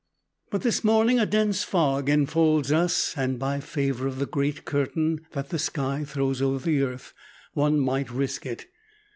But this morning a dense fog enfolds us, and by favor of the great curtain that the sky throws over the earth one might risk it.